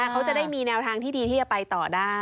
เขาจะได้มีแนวทางที่ดีที่จะไปต่อได้